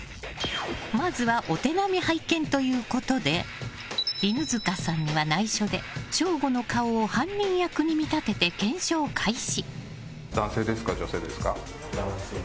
まずはお手並み拝見ということで犬塚さんには内緒で、省吾の顔を犯人役に見立てて検証開始。